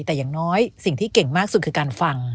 แต่อย่างน้อยสิ่งที่เก่งมากสุดคือการฟัง